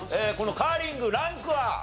このカーリングランクは？